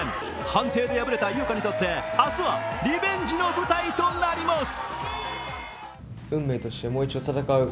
判定で敗れた井岡にとって明日はリベンジの舞台となります。